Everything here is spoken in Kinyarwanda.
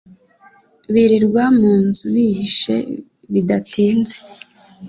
birirwa munzu bihishe bidatinze